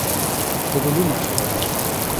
Что ты думаешь обо мне?